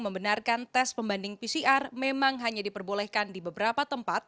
membenarkan tes pembanding pcr memang hanya diperbolehkan di beberapa tempat